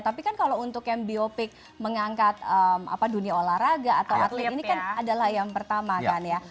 tapi kan kalau untuk yang biopik mengangkat dunia olahraga atau atlet ini kan adalah yang pertama kan ya